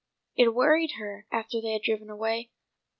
It worried her after they had driven away.